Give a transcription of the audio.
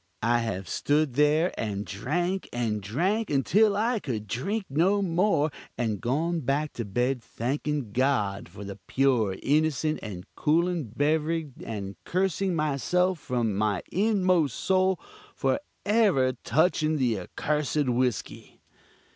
I have stood there and drank and drank until I could drink no more, and gone back to bed thankin' God for the pure, innocent, and coolin' beverig, and cursin' myself from my inmost soul for ever touchin' the accursed whisky.